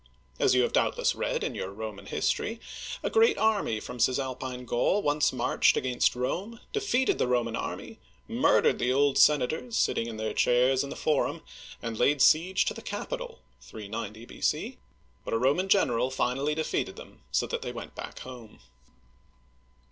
As you have doubtless read in your Roman history, a great army from Cisalpine Gaul once marched against Rome, defeated the Roman army, murdered the old senators sitting in their chairs in the Forum, and laid siege to the Capitol (390 B.C.); but a Roman general finally defeated them, so that they went back home.